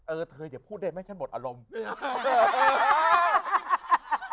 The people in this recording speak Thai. เออเธออย่าพูดได้ไหมฉันหมดอารมณ์